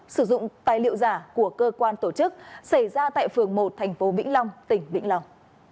sử dụng tài liệu giả của cơ quan tổ chức xảy ra tại phường một thành phố vĩnh long tỉnh vĩnh long